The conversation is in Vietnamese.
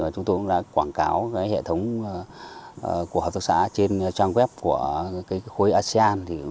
chúng tôi cũng đã quảng cáo hệ thống của hợp tác xã trên trang web của khối asean